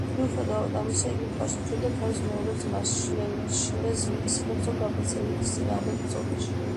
მიუხედავად ამისა, იგი მხარს უჭერდა თავის მეორე ძმას, შლეზვიგის ჰერცოგ აბელს ერიკის წინააღმდეგ ბრძოლაში.